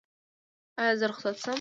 ایا زه رخصت شم؟